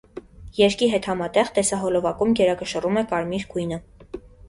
Երգի հետ համատեղ տեսահոլովակում գերակշռում է կարմիր գույնը։